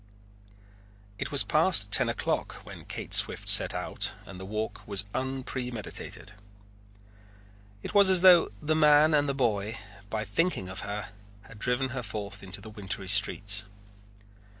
It was past ten o'clock when Kate Swift set out and the walk was unpremeditated. It was as though the man and the boy, by thinking of her, had driven her forth into the wintry streets.